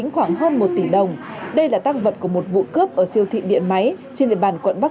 khoảng hơn một tỷ đồng đây là tăng vật của một vụ cướp ở siêu thị điện máy trên địa bàn quận bắc